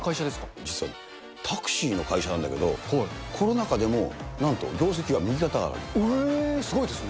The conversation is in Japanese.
実はね、タクシーの会社なんだけど、コロナ禍でもなんと、えー、すごいですね。